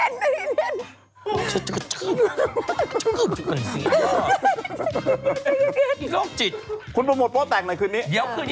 นี่เงี้ยนนี่เงี้ยน